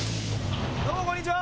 どうもこんにちは！